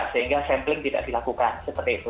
sehingga sampling tidak dilakukan seperti itu